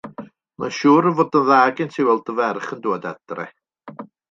Mae'n siŵr fod yn dda gen ti weld dy ferch yn dŵad adre.